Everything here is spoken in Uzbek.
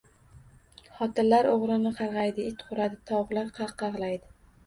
Xotinlar o‘g‘rini qarg‘aydi, it huradi, tovuqlar qaqag‘laydi